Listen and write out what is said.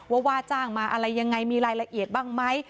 ว่าว่าจ้างมาอะไรยังไงมีรายละเอียดบ้างไหม